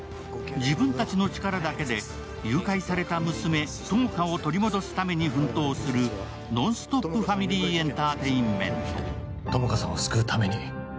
自分たちの力だけで誘拐された娘・友果を取り戻すために奮闘するノンストップファミリーエンターテインメント。